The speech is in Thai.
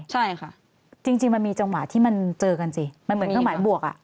ใช่ค่ะจริงมันมีจังหวะที่มันเจอกันสิมันเหมือนเครื่องหมายบวกอ่ะ